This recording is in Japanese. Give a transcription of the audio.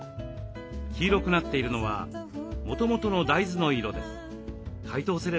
黄色くなっているのはもともとの大豆の色です。